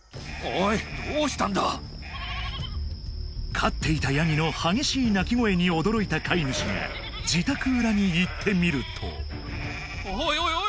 飼っていたヤギの激しい鳴き声に驚いた飼い主が自宅裏に行ってみるとおい